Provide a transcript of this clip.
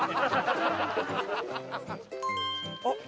あっ！